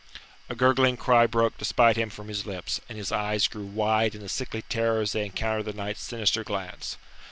A gurgling cry broke despite him from his lips, and his eyes grew wide in a sickly terror as they encountered the knight's sinister glance.